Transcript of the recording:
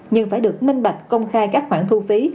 nhưng phải được minh bạch công khai các khoản thu phí